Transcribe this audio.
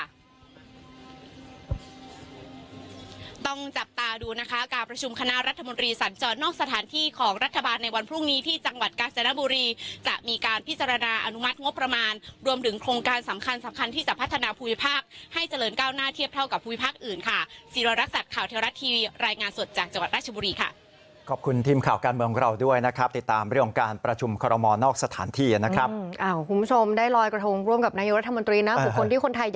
ค่ะต้องจับตาดูนะคะการประชุมคณะรัฐมนตรีสัญจรนอกสถานที่ของรัฐบาลในวันพรุ่งนี้ที่จังหวัดกาศนบุรีจะมีการพิจารณาอนุมัติงบประมาณรวมถึงโครงการสำคัญสำคัญที่จะพัฒนาภูมิภาคให้เจริญก้าวหน้าเทียบเท่ากับภูมิภาคอื่นค่ะศิรารักษัตริย์ข่าวเทวรัตน์ทีวี